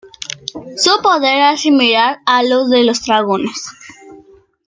Su poder era similar a los dragones.